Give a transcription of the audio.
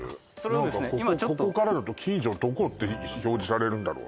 何かここからだと近所どこって表示されるんだろう？